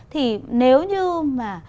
thì nếu như mà